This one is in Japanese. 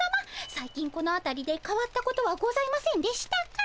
最近このあたりでかわったことはございませんでしたか？